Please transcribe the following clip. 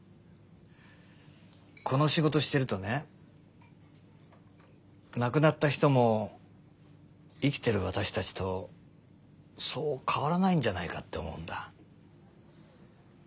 この仕事してるとね亡くなった人も生きてる私たちとそう変わらないんじゃないかって思うんだ。